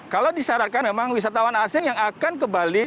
kalau disyaratkan memang wisatawan asing yang akan menerima test pcr